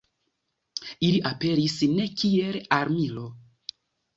Ili aperis ne kiel armilo.